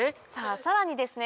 さらにですね